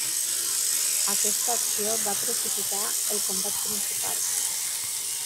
Aquesta acció va precipitar el combat principal.